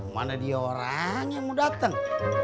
mana dia orang yang mau datang